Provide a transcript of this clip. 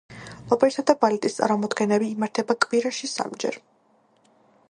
ოპერისა და ბალეტის წარმოდგენები იმართება კვირაში სამ ჯერ.